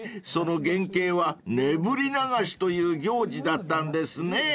その原形はねぶり流しという行事だったんですね］